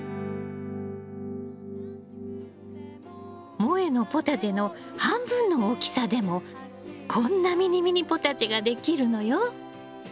もえのポタジェの半分の大きさでもこんなミニミニポタジェができるのよ。